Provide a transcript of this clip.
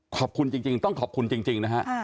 ขอบคุณจริงต้องขอบคุณจริงนะฮะ